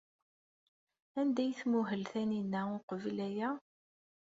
Anda ay tmuhel Taninna uqbel aya?